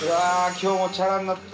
今日もチャラになった。